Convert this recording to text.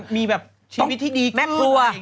มีแบบชีวิตที่ดีขึ้นแม็กคลัว